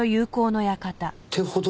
ってほど